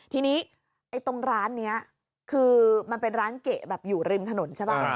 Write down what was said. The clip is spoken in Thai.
ทีนี้ตรงร้านนี้คือมันเป็นร้านเกะแบบอยู่ริมถนนใช่ป่ะ